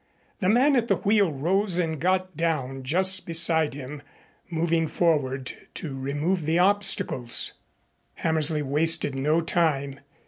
The man at the wheel rose and got down just beside him, moving forward to remove the obstacles. Hammersley wasted no time.